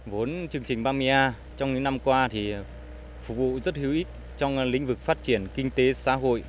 vốn chương trình ba mươi a trong những năm qua thì phục vụ rất hữu ích trong lĩnh vực phát triển kinh tế xã hội